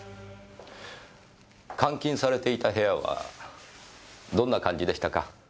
監禁されていた部屋はどんな感じでしたか？